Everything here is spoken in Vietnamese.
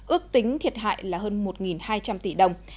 ước tính thiệt hại là hơn một hai trăm linh tỷ đồng